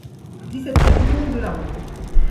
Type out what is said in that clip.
dix-sept rue Guillaume de la Roue